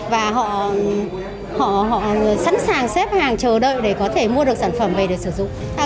và họ sẵn sàng xếp hàng chờ đợi để có thể mua được sản phẩm về để sử dụng